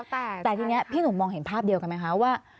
แต่ทีนี้พี่หนุ่มมองเห็นภาพเดียวกันไหมคะว่า